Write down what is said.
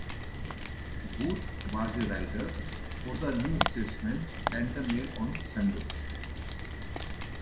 Booth was a writer for the "New Statesman" and "The Mail on Sunday".